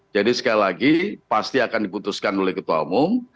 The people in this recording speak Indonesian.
jadi sekali lagi pasti akan diputuskan oleh ketua umum